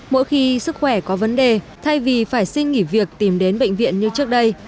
mỗi khi sức khỏe có vấn đề thay vì phải xin nghỉ việc tìm đến bệnh viện như trước đây